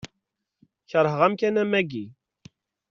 Keṛheɣ amkan am wagi.